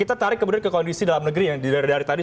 kita tarik kemudian ke kondisi dalam negeri yang dari tadi